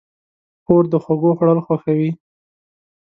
خور د خوږو خوړل خوښوي.